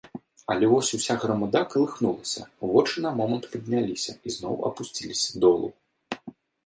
Але вось уся грамада калыхнулася, вочы на момант падняліся і зноў апусціліся долу.